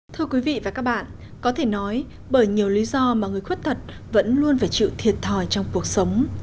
thưa quý vị và các bạn có thể nói bởi nhiều lý do mà người khuyết tật vẫn luôn phải chịu thiệt thòi trong cuộc sống